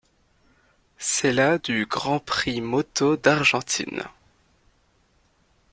C'est la du Grand Prix moto d'Argentine.